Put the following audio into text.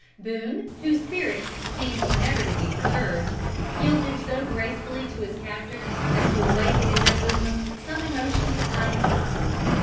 Boone, whose spirits seemed never to be perturbed, yielded so gracefully to his captors as to awaken in their bosoms some emotions of kindness.